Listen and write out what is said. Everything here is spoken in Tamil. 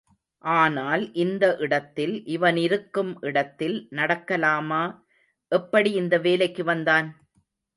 ஆனால் இந்த இடத்தில் இவனிருக்கும் இடத்தில் நடக்கலாமா... எப்படி இந்த வேலைக்கு வந்தான்?